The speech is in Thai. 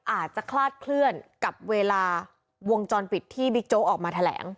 อาจจะคลาดเคลื่อนกับเวลาวงจรปิดที่บิ๊กโจ๊กออกมาแถลง